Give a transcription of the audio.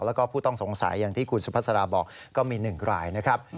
แล้วก็ผู้ต้องสงสัยอย่างที่คุณสุภาษาบอกก็มี๑รายนะครับ